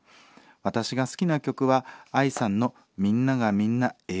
私が好きな曲はＡＩさんの『みんながみんな英雄』です。